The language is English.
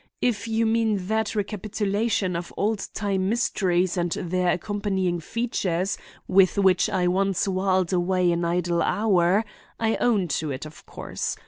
If you mean that recapitulation of old time mysteries and their accompanying features with which I once whiled away an idle hour, I own to it, of course.